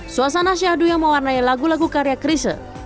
suasana syahadu yang mewarnai lagu lagu karya krisye